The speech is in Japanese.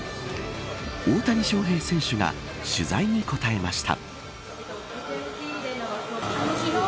大谷翔平選手が取材に答えました。